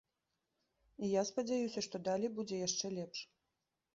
І я спадзяюся, што далей будзе яшчэ лепш.